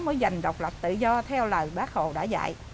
mới giành độc lập tự do theo lời bác hồ đã dạy